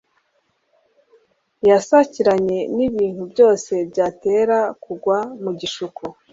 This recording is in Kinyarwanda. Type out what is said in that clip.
yasakiranye n'ibintu byose byatera kugwa mu gishuko;